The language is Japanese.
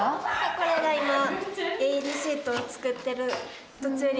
これが今ＡＥＤシートを作ってる途中になります。